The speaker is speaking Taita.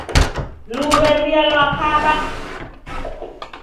Luw'ew'ia lwakaba.